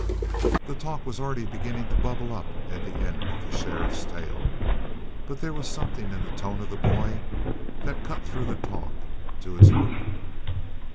The talk was already beginning to bubble up at the end of the sheriff's tale. But there was something in the tone of the boy that cut through the talk to its root.